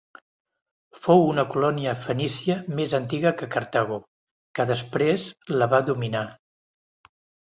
Fou una colònia fenícia més antiga que Cartago, que després la va dominar.